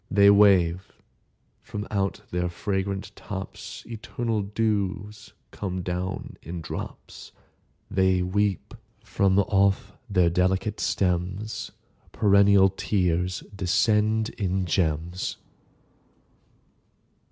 They wave:—from out their fragrant tops Eternal dews come down in drops. They weep:—from off their delicate stems Perennial tears descend in gems.